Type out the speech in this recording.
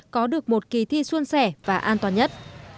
có được một kỳ thi xuân sẻ và an toàn nhất